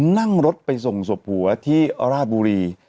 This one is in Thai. นั่งรถไปส่งศพผัวที่ราชบุรี